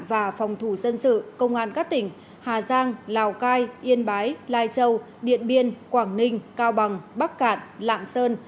và phòng thủ dân sự công an các tỉnh hà giang lào cai yên bái lai châu điện biên quảng ninh cao bằng bắc cạn lạng sơn